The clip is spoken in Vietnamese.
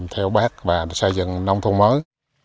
theo bác và xây dựng nông thôn mới